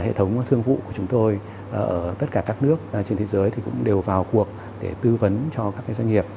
hệ thống thương vụ của chúng tôi ở tất cả các nước trên thế giới cũng đều vào cuộc để tư vấn cho các doanh nghiệp